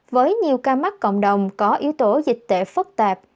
với nhiều ca mắc cộng đồng có yếu tố dịch tễ phức tạp